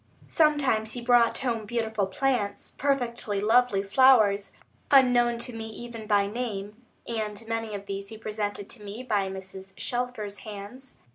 Sometimes, he brought home beautiful plants, perfectly lovely flowers, unknown to me even by name, and many of these he presented to me by Mrs. Shelfer's hands.